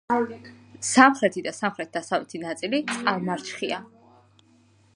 სამხრეთი და სამხრეთ-დასავლეთი ნაწილი წყალმარჩხია.